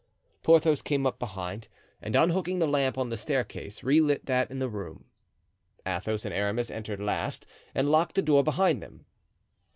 Porthos came up behind, and unhooking the lamp on the staircase relit that in the room. Athos and Aramis entered last and locked the door behind them.